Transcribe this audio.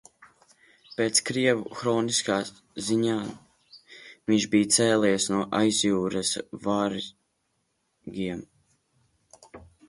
Pēc krievu hronikas ziņām viņš bija cēlies no aizjūras varjagiem.